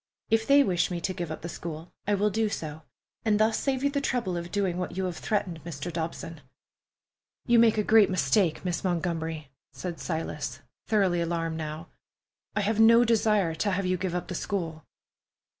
"If they wish me to give up the school, I will do so, and thus save you the trouble of doing what you have threatened, Mr. Dobson." "You make a great mistake, Miss Montgomery," said Silas, thoroughly alarmed now. "I have no desire to have you give up the school."